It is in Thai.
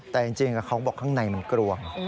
แต่จริงเขาบอกข้างในมันกรวง